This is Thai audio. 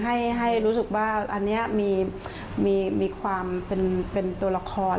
ให้รู้สึกว่าอันนี้มีความเป็นตัวละคร